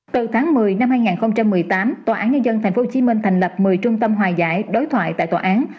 từ tháng một mươi năm hai nghìn một mươi tám tòa án nhân dân tp hcm thành lập một mươi trung tâm hòa giải đối thoại tại tòa án